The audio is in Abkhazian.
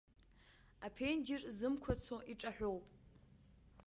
Аԥенџьыр зымқәацо иҿаҳәоуп.